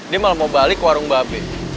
dia malah mau balik ke warung babi